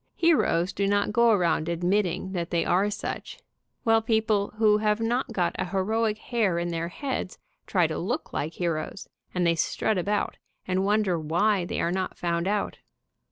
Heroes do not go around admitting that they are such, while people who have not got a heroic hair in their heads try to look like heroes, and they strut about, and wonder why they are not found out.